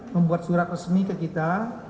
membuat surat resmi ke kita